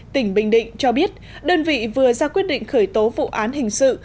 tỉnh bình định cho biết đơn vị vừa ra quyết định khởi tố vụ án hình sự